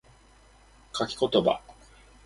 書き言葉